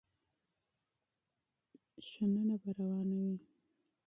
شننه به روانه وي.